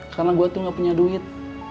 karena gue tuh gak punya duit